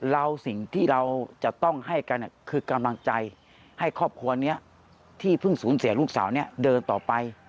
สิ่งที่เราจะต้องให้กันคือกำลังใจให้ครอบครัวนี้ที่เพิ่งสูญเสียลูกสาวนี้เดินต่อไป